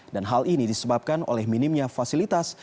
dan hal ini disebabkan oleh minimnya fasilitas